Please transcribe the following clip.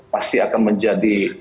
pasti akan menjadi